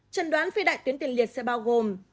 trần đoán phi đại tuyến tiền liệt sẽ bao gồm